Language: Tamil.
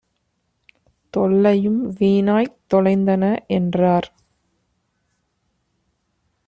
தொல்லையும் வீணாய்த் தொலைந்தன" என்றார்.